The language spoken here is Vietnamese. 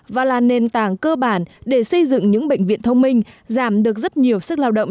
và là nền tảng cơ bản để xây dựng những bệnh viện thông minh giảm được rất nhiều sức lao động